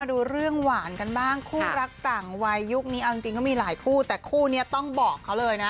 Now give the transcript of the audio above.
ดูเรื่องหวานกันบ้างคู่รักต่างวัยยุคนี้เอาจริงเขามีหลายคู่แต่คู่นี้ต้องบอกเขาเลยนะ